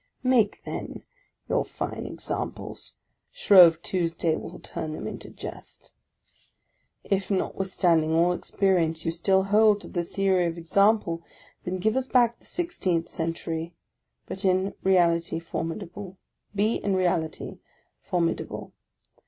Make, then, your fine examples ! Shrove Tuesday will turn them into jest. If, notwithstanding all experience, you still hold to the theory of example, then give us back the Sixteenth Century ; be in reality formidable.